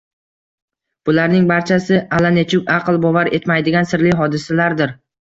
Bularning barchasi allanechuk aql bovar etmaydigan sirli hodisalardir.